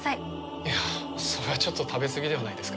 いやそれはちょっと食べ過ぎではないですか？